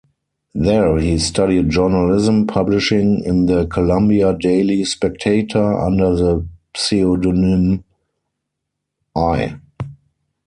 There he studied journalism, publishing in the "Columbia Daily Spectator" under the pseudonym "I.